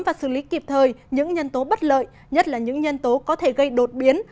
và xử lý kịp thời những nhân tố bất lợi nhất là những nhân tố có thể gây đột biến